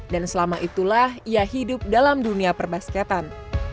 dan selama itulah ia hidup dalam dunia perbasketan